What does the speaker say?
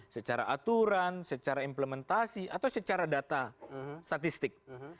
secara aturan secara implementasi atau secara data statistik